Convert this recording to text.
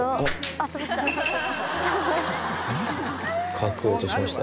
角を落としました。